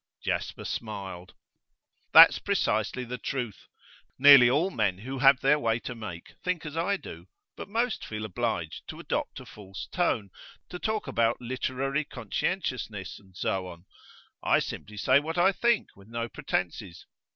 Jasper smiled. 'That's precisely the truth. Nearly all men who have their way to make think as I do, but most feel obliged to adopt a false tone, to talk about literary conscientiousness, and so on. I simply say what I think, with no pretences.